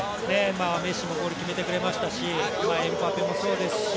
メッシもゴール決めてくれましたし、エムバペもそうですし、